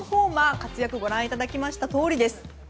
活躍をご覧いただいたとおりです。